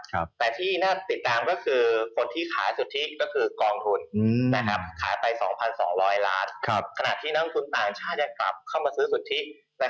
ก็เมื่อวานี่ตลาดหุ้นดูอุ้มครึ่มเหมือนภาษาผลกรุงเทพตอนนี้เลยนะ